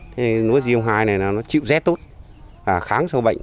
thế nên lúa g hai này là nó chịu rét tốt kháng sâu bệnh